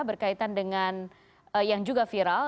berkaitan dengan yang juga viral